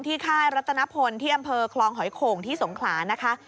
ค่ายรัตนพลที่อำเภอคลองหอยโข่งที่สงขลานะคะ